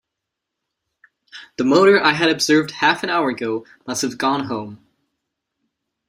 The motor I had observed half an hour ago must have gone home.